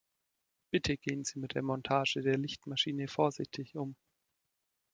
Bitte gehen Sie mit der Montage der Lichtmaschine vorsichtig um.